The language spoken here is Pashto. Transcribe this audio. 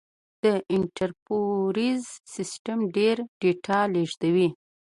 دا انټرپرایز سیسټم ډېره ډیټا لېږدوي.